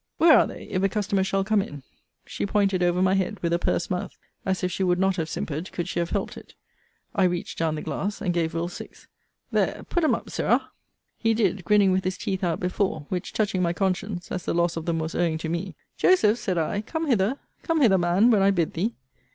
Where are they, if a customer shall come in? She pointed over my head, with a purse mouth, as if she would not have simpered, could she have helped it. I reached down the glass, and gave Will. six. There put 'em up, Sirrah. He did, grinning with his teeth out before; which touching my conscience, as the loss of them was owing to me, Joseph, said I, come hither. Come hither, man, when I bid thee.